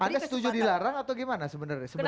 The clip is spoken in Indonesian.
anda setuju dilarang atau gimana sebenarnya